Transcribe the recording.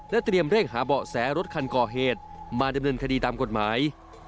เตรียมเร่งหาเบาะแสรถคันก่อเหตุมาดำเนินคดีตามกฎหมาย